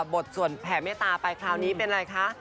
บทส่วนแผ่เมตตาไปคราวนี้เป็นอะไรคะ